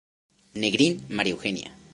Negrín, María Eugenia.